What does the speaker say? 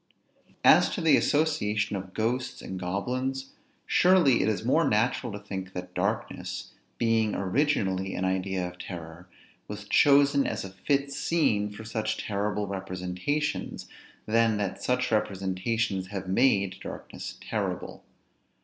] As to the association of ghosts and goblins; surely it is more natural to think that darkness, being originally an idea of terror, was chosen as a fit scene for such terrible representations, than that such representations have made darkness terrible.